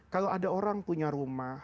kalau ada orang punya rumah